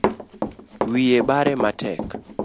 Wiye bare matek